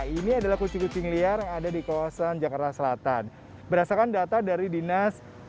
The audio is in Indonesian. ini adalah kucing kucing liar yang ada di kawasan jakarta selatan berdasarkan data dari dinas